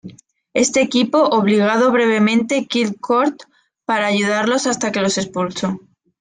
Este equipo obligado brevemente Kid Colt para ayudarlos hasta que los expuso.